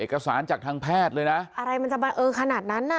เอกสารจากทางแพทย์เลยนะอะไรมันจะบังเอิญขนาดนั้นน่ะ